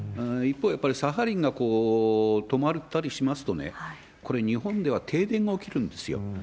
一方で、やはりサハリンが止まったりしますと、これ、日本では停電が起きるんですよ。